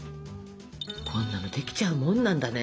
こんなのできちゃうもんなんだね。